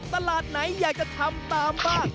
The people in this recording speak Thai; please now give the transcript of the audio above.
ตลาดไหนอยากจะทำตามบ้าง